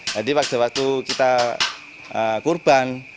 jadi pada waktu kita kurban